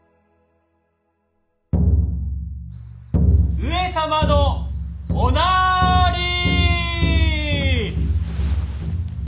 ・上様のおなーりー。